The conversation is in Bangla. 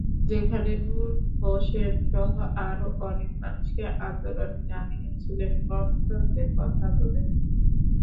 যেখানে নূর হুসেনসহ আরও অনেক মানুষকে আন্দোলনে নামিয়েছিলেন গণতন্ত্রের কথা বলে।